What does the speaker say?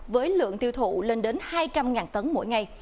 với lượng tiêu thụ lên đến hai trăm linh tấn mỗi ngày